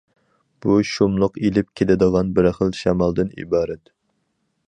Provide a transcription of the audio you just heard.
بۇ شۇملۇق ئېلىپ كېلىدىغان بىر خىل شامالدىن ئىبارەت.